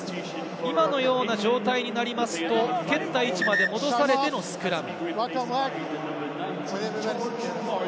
今のような状態になると蹴った位置まで戻されてのスクラム。